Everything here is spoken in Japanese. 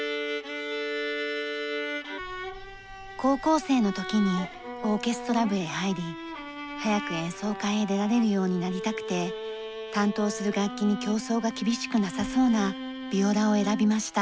高校生の時にオーケストラ部へ入り早く演奏会へ出られるようになりたくて担当する楽器に競争が厳しくなさそうなビオラを選びました。